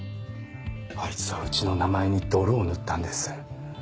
あいつはうちの名前に泥を塗ったんです。